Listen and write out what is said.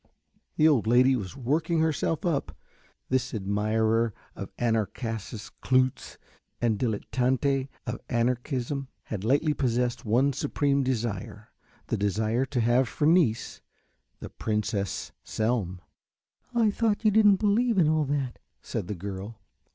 '" The old lady was working herself up. This admirer of Anarchasis Clootz and dilletanti of Anarchism had lately possessed one supreme desire, the desire to have for niece the Princess Selm. "I thought you didn't believe in all that," said the girl.